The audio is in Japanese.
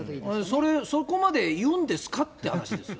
そこまで言うんですかっていう話ですよ。